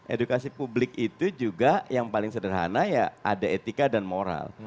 edukasi publik itu juga yang paling sederhana ya ada etika dan moral